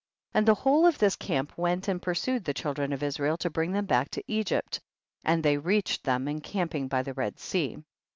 24. And the whole of this camp went and pursued the children of Is rael to bring them back to Egypt, and they reached them encamping by the Red Sea.